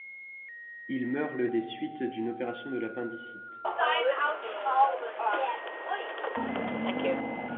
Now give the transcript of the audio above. Il meurt le des suites d'une opération de l'appendicite.